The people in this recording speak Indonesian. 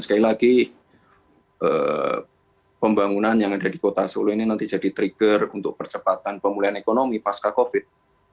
sekali lagi pembangunan yang ada di kota solo ini nanti jadi trigger untuk percepatan pemulihan ekonomi pasca covid